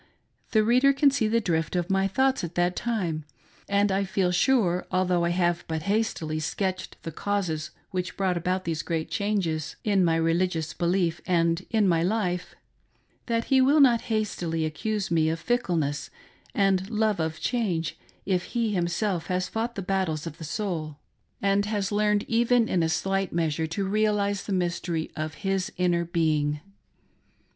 The reader can see the drift of my thoughts at that time ; and I feel sure, although I have but hastily sketched the causes which brought about these great changes in my religious beUef and in my life, that he will not hastily accuse me of fickleness and love of change, if he himself has fought the battles of the soul and has learned even in a slight measure to realize the mystery of his inner being. 1 AM BAPTISED A MORMON SAINT.